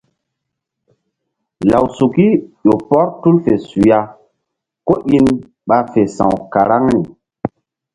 Lawsuki ƴo pɔr tul fe suya kó in ɓa fe sa̧w karaŋri.